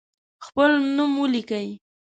خپل نوم ولیکئ.